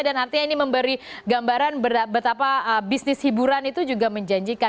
dan artinya ini memberi gambaran betapa bisnis hiburan itu juga menjanjikan